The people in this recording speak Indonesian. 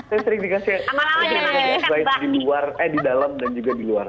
saya sering dikasih advice di luar eh di dalam dan juga di luar